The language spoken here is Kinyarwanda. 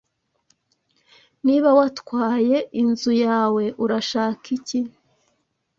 Niba watwaye inzu yawe urashaka iki